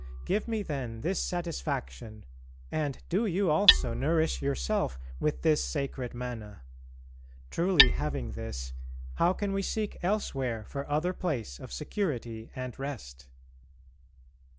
Give me then this satisfaction, and do you also nourish yourself with this sacred manna. Truly having this, how can we seek elsewhere for other place of security and rest?